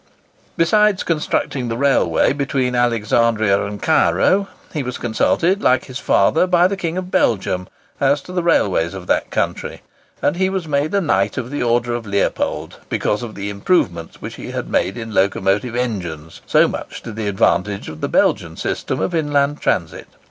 Besides constructing the railway between Alexandria and Cairo, he was consulted, like his father, by the King of Belgium, as to the railways of that country; and he was made Knight of the Order of Leopold because of the improvements which he had made in locomotive engines, so much to the advantage of the Belgian system of inland transit.